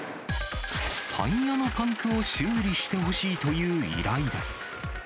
タイヤのパンクを修理してほしいという依頼です。